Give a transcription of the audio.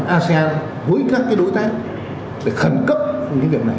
asean với các đối tác để khẩn cấp việc này